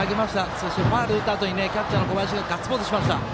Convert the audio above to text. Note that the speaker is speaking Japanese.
そして、ファウル打ったあとキャッチャーの小林君ガッツポーズしました。